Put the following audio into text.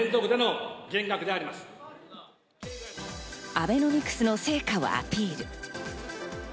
アベノミクスの成果をアピール。